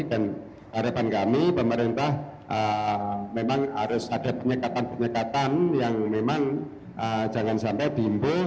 dan harapan kami pemerintah memang harus ada penyekatan penyekatan yang memang jangan sampai bimbul